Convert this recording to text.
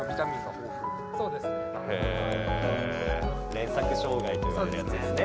連作障害といわれるやつですね。